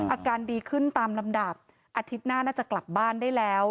อาการดีขึ้นตามลำดับอาทิตย์หน้าน่าจะกลับบ้านได้แล้ว